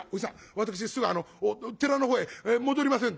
私すぐあの寺のほうへ戻りませんと」。